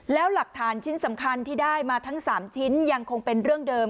แล้วหลักฐานชิ้นสำคัญที่ได้มาทั้ง๓ชิ้นยังคงเป็นเรื่องเดิม